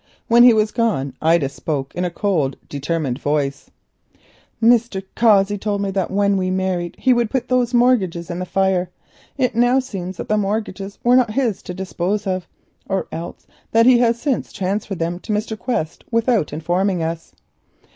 When he was gone Ida spoke in a cold, determined voice: "Mr. Cossey told me that when we married he would put those mortgages in the fire. It now seems that the mortgages were not his to dispose of, or else that he has since transferred them to Mr. Quest without informing us."